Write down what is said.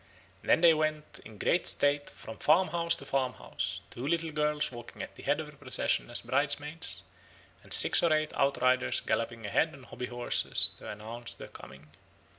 Then they went in great state from farmhouse to farmhouse, two little girls walking at the head of the procession as bridesmaids, and six or eight outriders galloping ahead on hobby horses to announce their coming.